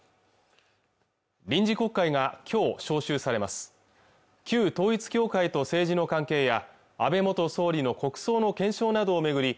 臨時国会がきょう召集されます旧統一教会と政治の関係や安倍元総理の国葬の検証などを巡り